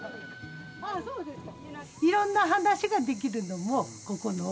いろんな話ができるのもここの。